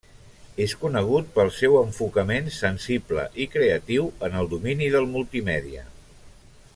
És conegut pel seu enfocament sensible i creatiu en el domini del multimèdia.